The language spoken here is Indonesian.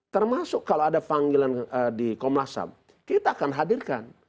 termasuk kalau ada panggilan di komnasam kita akan hadirkan